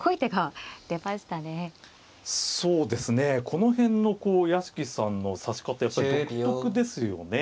この辺のこう屋敷さんの指し方やっぱり独特ですよね。